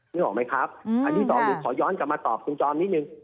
นึกออกไหมครับอันที่สองหนูขอย้อนกลับมาตอบคุณจอมนิดนึง